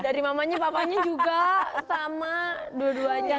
dari mamanya papanya juga sama dua duanya